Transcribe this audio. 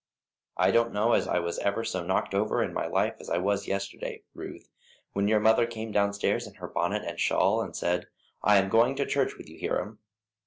"I don't know as I was ever so knocked over in my life as I was yesterday, Ruth, when your mother came downstairs in her bonnet and shawl, and said, 'I am going to church with you, Hiram.'